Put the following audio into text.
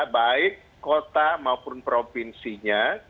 baik kota maupun provinsinya